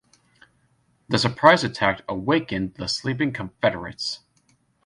The surprise attack awakened the sleeping Confederates.